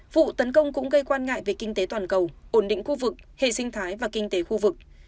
vụ tấn công cũng gây quan ngại về kinh tế toàn cầu ổn định khu vực hệ sinh thái và kinh tế khu vực